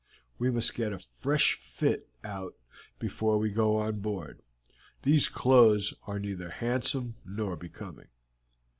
We must get a fresh fit out before we go on board; these clothes are neither handsome nor becoming.